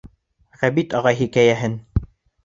Ғәбит ағай хикәйәһен: